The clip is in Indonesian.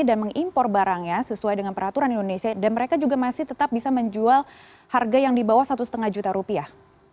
dan mengimpor barangnya sesuai dengan peraturan indonesia dan mereka juga masih tetap bisa menjual harga yang di bawah satu lima juta rupiah